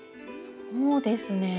そうですね